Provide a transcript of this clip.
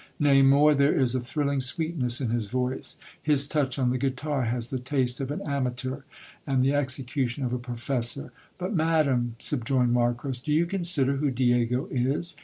Nay, more, there is a thrilling sweetness in his voice ; his touch on the guitar has the taste of an amateur, and the execution of a professor. But, madam, subjoined Marcos, do you consider who Diego is